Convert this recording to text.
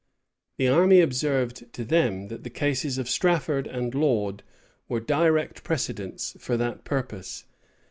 [v] The army observed to them, that the cases of Strafford and Laud were direct precedents for that purpose.